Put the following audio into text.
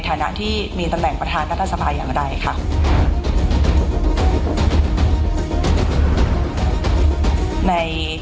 ทั้งความกลับเข้าทางนี้